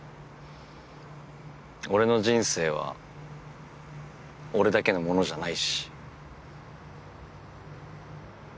俺の人生は俺だけのものじゃないし。